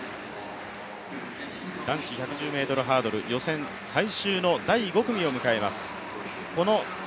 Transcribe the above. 男子１１０ｍハードル、予選最終の第５組を迎えます。